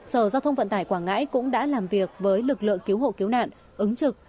sở giao thông vận tải quảng ngãi cũng đã làm việc với lực lượng cứu hộ cứu nạn ứng trực